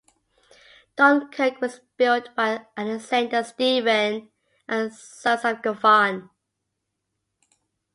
"Dunkirk" was built by Alexander Stephen and Sons of Govan.